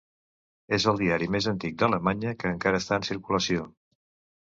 És el diari més antic d'Alemanya que encara està en circulació.